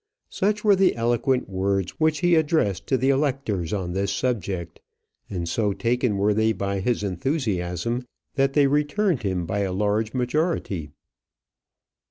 Such were the eloquent words which he addressed to the electors on this subject, and so taken were they by his enthusiasm that they returned him by a large majority.